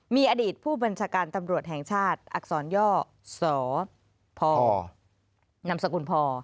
มีอดีตผู้บัญชาการตำรวจแห่งชาติอักษรย่อสพนำสกุลพอ